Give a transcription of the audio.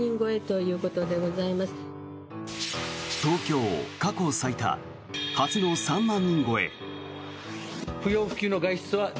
東京、過去最多初の３万人超え。